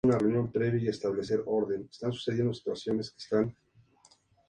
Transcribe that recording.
Alcanzó la fama con el sencillo "Rockin' Robin", escrito por Jimmie Thomas.